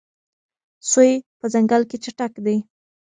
سوی په ځنګل کې چټک دی.